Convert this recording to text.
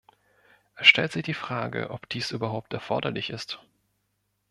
Es stellt sich die Frage, ob dies überhaupt erforderlich ist.